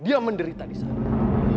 dia menderita disana